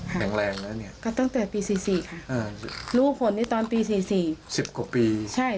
แหล่งแล้วตั้งเติดปี๔๔ก่อนรู้ผลนี้ตอนปี๔๔